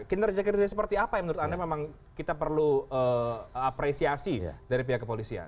kinerja kinerja seperti apa yang menurut anda memang kita perlu apresiasi dari pihak kepolisian